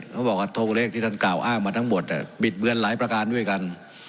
เขาบอกว่าตัวเลขที่ท่านกล่าวอ้างมาทั้งหมดบิดเบือนหลายประการด้วยกัน